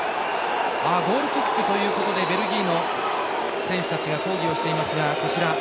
ゴールキックということでベルギーの選手たちが抗議をしています。